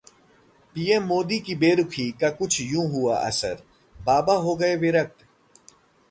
PM की बेरुखी का कुछ यूं हुआ असर, बाबा हो गए विरक्त!